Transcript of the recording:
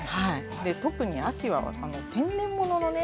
で特に秋は天然物のね